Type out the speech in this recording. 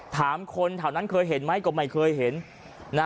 ถามคนแถวนั้นเคยเห็นไหมก็ไม่เคยเห็นนะ